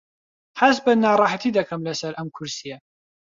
هەست بە ناڕەحەتی دەکەم لەسەر ئەم کورسییە.